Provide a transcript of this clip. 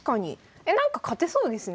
えなんか勝てそうですね